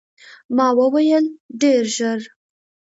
ما وویل، ډېر ژر.